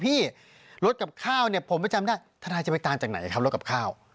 พี่รถกับข้าวเนี่ยผมไปจำได้ทนายจะไปตามจากไหนครับรถกับข้าว